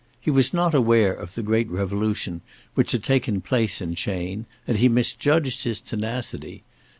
He was not aware of the great revolution which had taken place in Chayne; and he misjudged his tenacity.